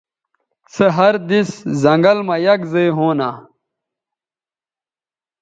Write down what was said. سے ہر دِس زنگل مہ یک زائے ہونہ